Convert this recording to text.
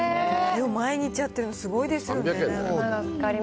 毎日やってるの、すごいですよね。